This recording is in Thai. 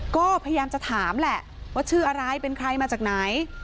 ก็พยายามจะถามแหละว่าชื่ออะไรเป็นใครมาจากไหน